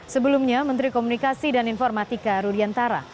sebelumnya menteri komunikasi dan informatika rudiantara